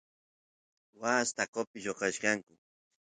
waas taqopi lloqanachkaranku